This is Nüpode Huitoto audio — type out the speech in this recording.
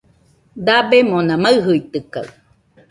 Dabemona maɨjitɨkaɨ